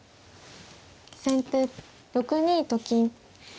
先手６二と金。